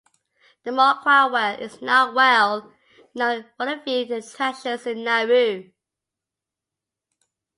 The Moqua Well is not well known, one of a few attractions in Nauru.